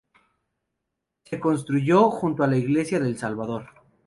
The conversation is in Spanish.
Se construyó junto a la iglesia del Salvador.